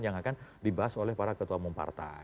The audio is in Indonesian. yang akan dibahas oleh para ketua mempartai